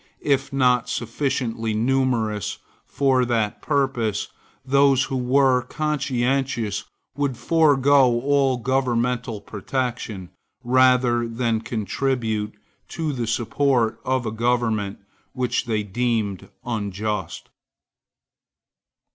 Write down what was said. If not sufficiently numerous for that purpose, those who were conscientious would forego all governmental protection, rather than contribute to the support of a government which they deemed unjust.